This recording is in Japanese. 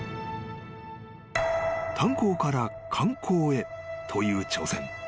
［炭鉱から観光へという挑戦］